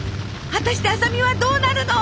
果たして麻美はどうなるの！